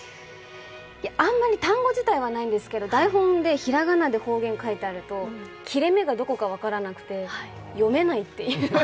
あんまり単語自体はないんですけど台本で平仮名で方言が書いてあると切れ目がどこか分からなくて読めないっていう。